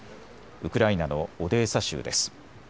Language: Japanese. ウクライナのオデーサ州です。